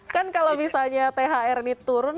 kan kalau misalnya thr ini turun